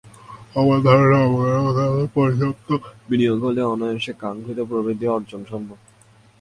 আমার ধারণা, অবকাঠামো খাতে পর্যাপ্ত বিনিয়োগ হলে অনায়াসে কাঙ্ক্ষিত প্রবৃদ্ধি অর্জন সম্ভব।